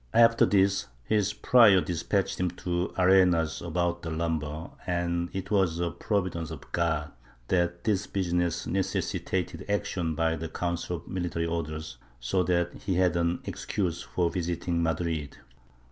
After this his prior despatched him to Arenas about the lumber, and it was a providence of God that this business necessitated action by the Council of Military Orders, so that he had an excuse for visiting Madrid.